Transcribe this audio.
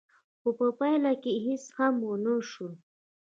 خو په پايله کې هېڅ هم ونه شول.